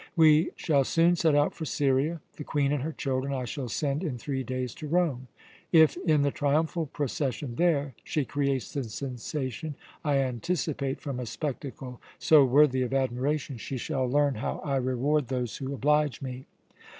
We shall soon set out for Syria. The Queen and her children I shall send in three days to Rome. If, in the triumphal procession there, she creates the sensation I anticipate from a spectacle so worthy of admiration, she shall learn how I reward those who oblige me."